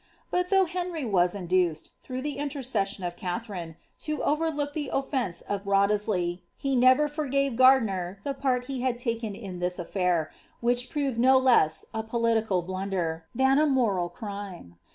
But though Henry was induced, through the intercession of Katharine, to overlook the ofTonce of Wriothesley, he never forgave Gardiner the psrt he had taken in this aflair, which proved no less a political blunder, than a moral crime.